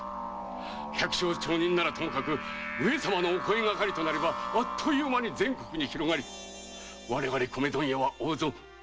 百姓町人ならともかく上様のお声がかりとなればあっという間に全国に広がり我々米問屋は大損。